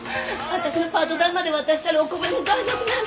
私のパート代まで渡したらお米も買えなくなるの。